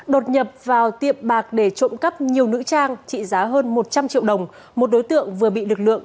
đột nhập vào tiệm bạc để trộm cắp nhiều nữ trang trị giá hơn một trăm linh triệu đồng một đối tượng vừa bị lực lượng